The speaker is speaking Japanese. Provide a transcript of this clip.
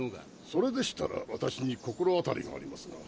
それでしたら私に心当たりがありますが。